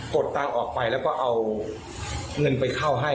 ดตังค์ออกไปแล้วก็เอาเงินไปเข้าให้